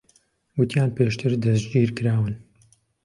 گوتیان پێشتر دەستگیر کراون.